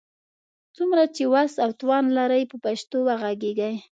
څومره چي وس او توان لرئ، په پښتو وږغېږئ!